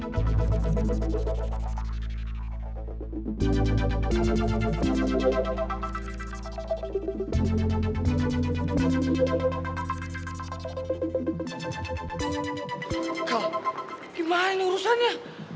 kak gimana ini urusannya